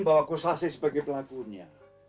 bahwa gosasi sebagai pelakunya